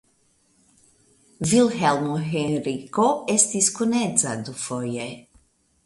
Vilhelmo Henriko estis kunedza dufoje.